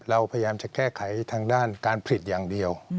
เราพยายามจะแก้ไขทางด้านการผลิตอย่างเดียว